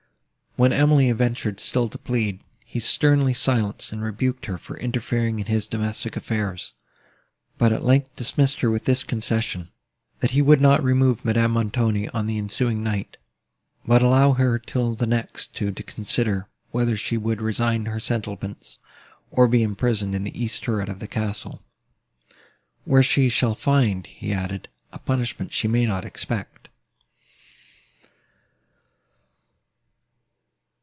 When Emily ventured still to plead, he sternly silenced and rebuked her for interfering in his domestic affairs, but, at length, dismissed her with this concession—That he would not remove Madame Montoni, on the ensuing night, but allow her till the next to consider, whether she would resign her settlements, or be imprisoned in the east turret of the castle, "where she shall find," he added, "a punishment she may not expect."